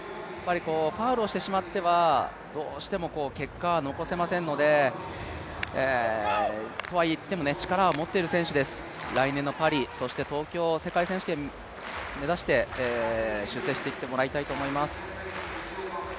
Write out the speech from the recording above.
ファウルをしてしまっては、どうしても結果は残せませんのでとはいっても力は持っている選手です、来年のパリそして東京、世界選手権目指して修正してきてもらいたいと思います。